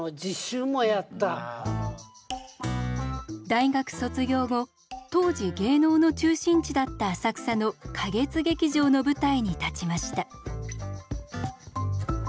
大学卒業後当時芸能の中心地だった浅草の花月劇場の舞台に立ちました。